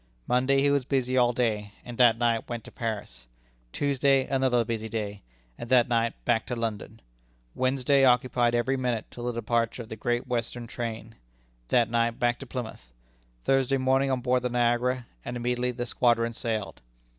Monday he was busy all day, and that night went to Paris. Tuesday, another busy day, and that night back to London. Wednesday, occupied every minute till the departure of the Great Western train. That night back to Plymouth. Thursday morning on board the Niagara, and immediately the squadron sailed.